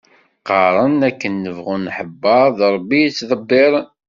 Qqaren akken nebɣu nḥebbeṛ, d Rebbi i yettḍebbiren.